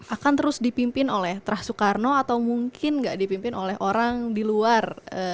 akan terus dipimpin oleh terah soekarno atau mungkin nggak dipimpin oleh orang di luar